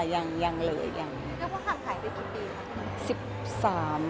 ยังยังเลยยังเรียกว่าทางขายได้กี่ปีครับสิบสาม